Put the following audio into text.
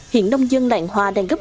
hiện nông dân làng hoa đang gấp